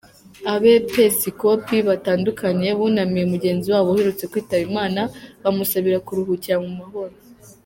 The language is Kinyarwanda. Abepisikopi batandukanye bunamiye mugenzi wabo uherutse kwitaba Imana, bamusabira kuruhukira mu mahoro.